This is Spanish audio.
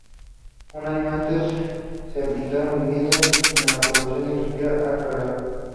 Un año antes se habilitaron viviendas en el poblado industrial Arca Real.